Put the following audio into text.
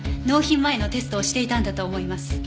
納品前のテストをしていたんだと思います。